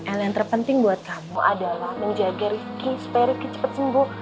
el yang terpenting buat kamu adalah menjaga rifqi supaya rifqi cepet sembuh